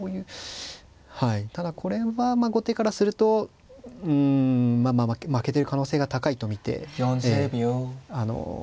はいただこれは後手からするとうん負けてる可能性が高いと見てあの。